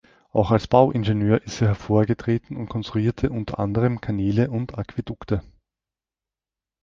Auch als Bauingenieur ist er hervorgetreten und konstruierte unter anderem Kanäle und Aquädukte.